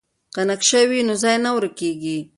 که نقشه وي نو ځای نه ورکېږي.